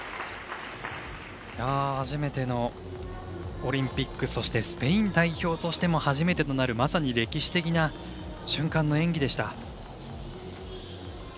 初めてのオリンピックそして、スペイン代表としても初めてとなるまさに歴史的な瞬間の演技でした。